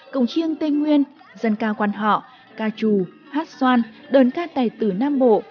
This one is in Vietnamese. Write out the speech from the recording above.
cổng chiêng tây nguyên dân ca quan họ ca trù hát xoan đơn ca tài tử nam bộ